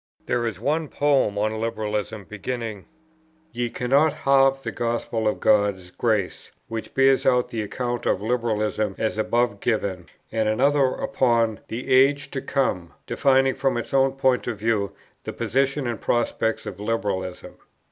There is one poem on "Liberalism," beginning "Ye cannot halve the Gospel of God's grace;" which bears out the account of Liberalism as above given; and another upon "the Age to come," defining from its own point of view the position and prospects of Liberalism.